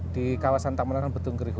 di kawasan taman nasional betung gerihun